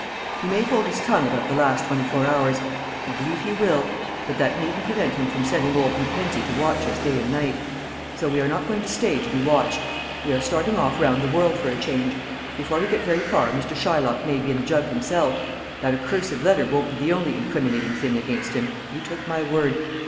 He may hold his tongue about the last twenty four hours I believe he will but that needn't prevent him from setting old Mackenzie to watch us day and night. So we are not going to stay to be watched. We are starting off round the world for a change. Before we get very far Mr. Shylock may be in the jug himself; that accursed letter won't be the only incriminating thing against him, you take my word.